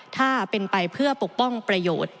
ถ้าเป็นไปเพื่อปกป้องประโยชน์